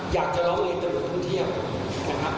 อยากจะร้องเรียนตำรวจท่องเที่ยวนะครับ